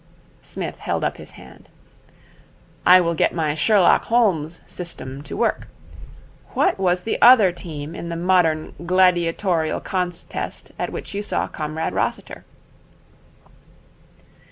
Psmith held up his hand. 'I will get my Sherlock Holmes system to work. What was the other team in the modern gladiatorial contest at which you saw Comrade Rossiter?'